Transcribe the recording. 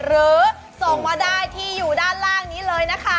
หรือส่งมาได้ที่อยู่ด้านล่างนี้เลยนะคะ